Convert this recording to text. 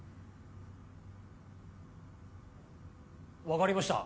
わかりました。